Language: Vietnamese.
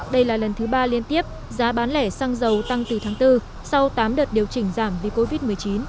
đây là lần thứ ba liên tiếp giá bán lẻ xăng dầu tăng từ tháng bốn sau tám đợt điều chỉnh giảm vì covid một mươi chín